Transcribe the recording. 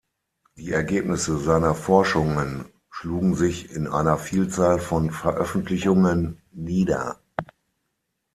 Die Ergebnisse seiner Forschungen schlugen sich in einer Vielzahl von Veröffentlichungen nieder.